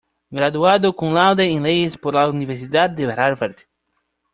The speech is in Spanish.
Graduado cum laude en Leyes por la Universidad de Harvard.